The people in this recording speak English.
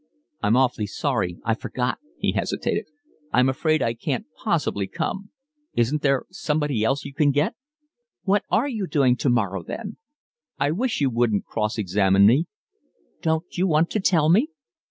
"I'm awfully sorry, I forgot." He hesitated. "I'm afraid I can't possibly come. Isn't there somebody else you can get?" "What are you doing tomorrow then?" "I wish you wouldn't cross examine me." "Don't you want to tell me?"